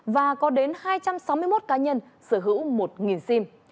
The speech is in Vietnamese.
và có đến hai trăm sáu mươi một cá nhân sở hữu một sim